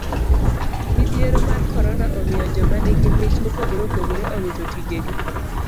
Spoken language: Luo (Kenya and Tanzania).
Midhiero mar korona omiyo joma nigi mich mopogore opogore owito tije gi.